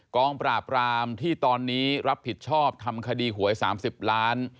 กองปราบรามที่ตอนนี้รับผิดชอบทำคดีหวย๓๐ล้าน